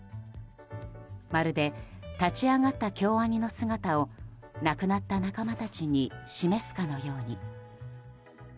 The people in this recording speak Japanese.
まるで立ち上がった京アニの姿を亡くなった仲間たちに示すかのように。